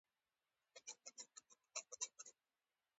د ډول آواز له لرې ښه خوند کوي متل د لرې شي ښکلا ښيي